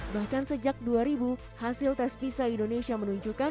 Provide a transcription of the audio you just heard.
bahkan sejak dua ribu hasil tes pisa indonesia menunjukkan